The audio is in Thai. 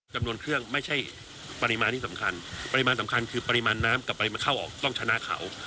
จำนวนเครื่องไม่ใช่ปริมาณที่สำคัญปริมาณสำคัญคือปริมาณน้ำกลับไปเข้าออกต้องชนะเขา